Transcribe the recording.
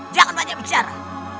jangan banyak bicara